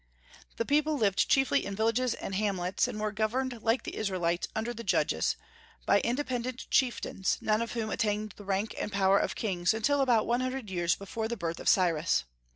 The people lived chiefly in villages and hamlets, and were governed, like the Israelites under the Judges, by independent chieftains, none of whom attained the rank and power of kings until about one hundred years before the birth of Cyrus.